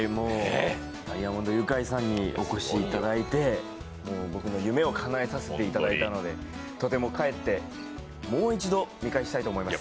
ダイアモンド☆ユカイさんにお越しいただいて僕の夢をかなえさせていただいたのでとても、帰ってもう一度見返したいと思います。